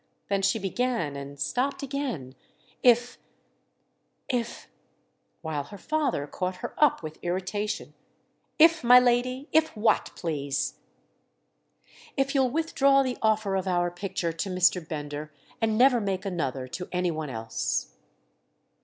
Then she began and stopped again, "If—if—!" while her father caught her up with irritation. "'If,' my lady? If what, please?" "If you'll withdraw the offer of our picture to Mr. Bender—and never make another to any one else!"